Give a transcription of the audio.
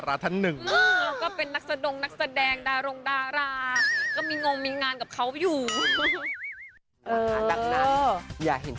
เราก็เป็นดาราท่านหนึ่ง